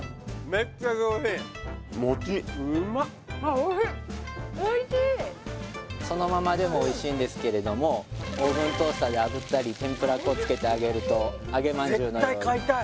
めっちゃ上品もちっうーまっそのままでもおいしいんですけれどもオーブントースターであぶったり天ぷら粉をつけて揚げると揚げまんじゅうのように絶対買いた